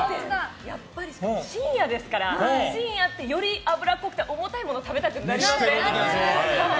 深夜ですから深夜ってより脂っこくて重たいものを食べたくなりません？